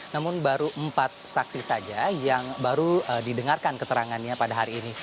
namun baru empat saksi saja yang baru didengarkan keterangannya pada hari ini